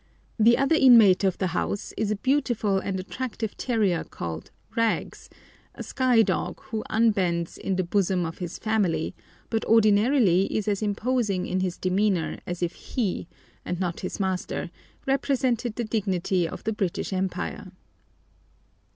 The other inmate of the house is a beautiful and attractive terrier called "Rags," a Skye dog, who unbends "in the bosom of his family," but ordinarily is as imposing in his demeanour as if he, and not his master, represented the dignity of the British Empire.